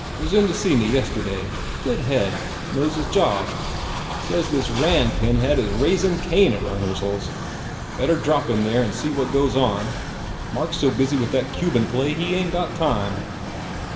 Was in to see me, yesterday. Good head. Knows his job. Says this Rand pinhead is raisin Cain at rehearsals. Better drop in there and see what goes on. Mark s so busy with that Cuban play he ain t got time."